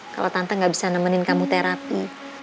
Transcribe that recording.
kalau tante gak bisa nemenin kamu terapi